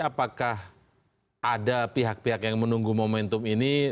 apakah ada pihak pihak yang menunggu momentum ini